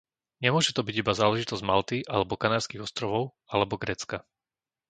Nemôže to byť iba záležitosť Malty alebo Kanárskych ostrovov alebo Grécka.